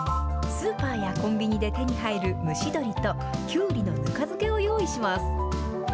スーパーやコンビニで手に入る蒸し鶏と、きゅうりのぬか漬けを用意します。